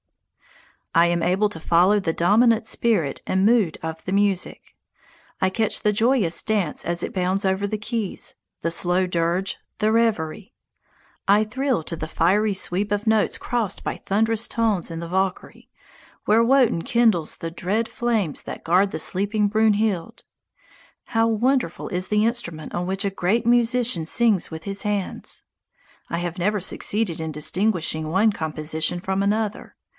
I am able to follow the dominant spirit and mood of the music. I catch the joyous dance as it bounds over the keys, the slow dirge, the reverie. I thrill to the fiery sweep of notes crossed by thunderous tones in the "Walküre," where Wotan kindles the dread flames that guard the sleeping Brunhild. How wonderful is the instrument on which a great musician sings with his hands! I have never succeeded in distinguishing one composition from another.